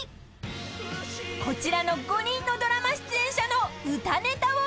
［こちらの５人のドラマ出演者の歌ネタを披露］